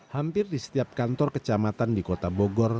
hampir di setiap kantor kecamatan di kota bogor